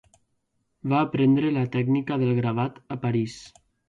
Va aprendre la tècnica del gravat a París.